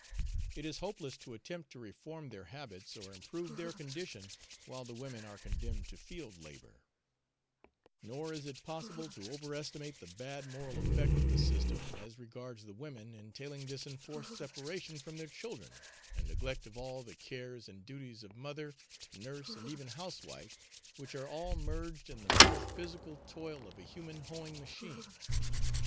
It is hopeless to attempt to reform their habits or improve their condition while the women are condemned to field labour; nor is it possible to overestimate the bad moral effect of the system as regards the women entailing this enforced separation from their children and neglect of all the cares and duties of mother, nurse, and even house wife, which are all merged in the mere physical toil of a human hoeing machine.